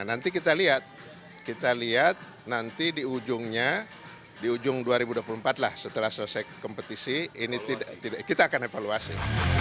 nanti kita lihat di ujungnya di ujung dua ribu dua puluh empat setelah selesai kompetisi kita akan evaluasi